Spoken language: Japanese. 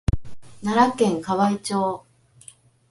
奈良県河合町